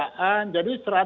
mereka meninggalkan pekerjaan